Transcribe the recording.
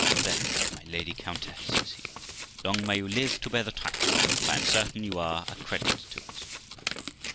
'There, my lady countess', says he, 'long may you live to bear the title, for I am certain you are a credit to it.'